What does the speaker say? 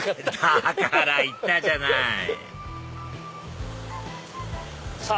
だから言ったじゃないさぁ